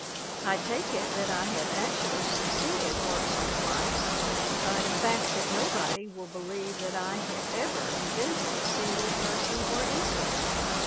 I take it that I have actually succeeded once or twice 184 THE WOMEN WHO MAKE OUR NOVELS by the fact that nobody will believe that I have ever invented a single person or incident!